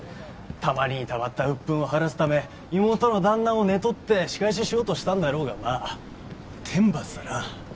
たまりにたまった鬱憤を晴らすため妹の旦那を寝取って仕返ししようとしたんだろうがまあ天罰だな。